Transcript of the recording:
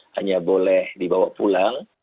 hanya boleh dibawa pulang